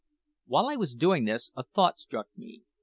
While I was doing this a thought struck me.